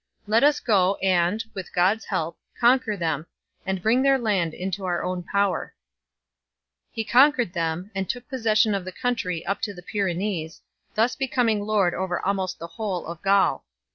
Let us go and (with God s help) conquer them, and bring their land into our own power 3 ." He conquered them, and took possession of the country up to the Pyrenees, thus be coming lord over almost the whole of Gaul.